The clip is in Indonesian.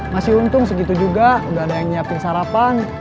masih untung segitu juga udah ada yang nyiapin sarapan